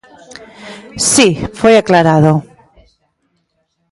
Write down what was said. Si, foi aclarado.